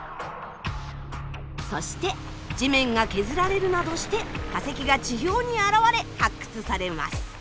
そして地面が削られるなどして化石が地表に現れ発掘されます。